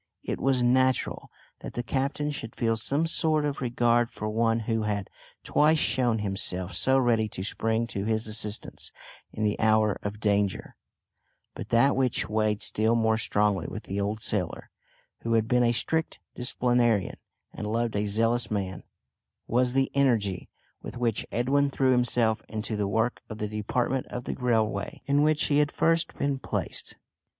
It was natural that the captain should feel some sort of regard for one who had twice shown himself so ready to spring to his assistance in the hour of danger; but that which weighed still more strongly with the old sailor who had been a strict disciplinarian and loved a zealous man was the energy, with which Edwin threw himself into the work of the department of the railway, in which he had first been placed.